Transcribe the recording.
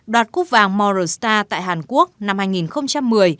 đoạt quốc vàng moral star tại hàn quốc năm hai nghìn một mươi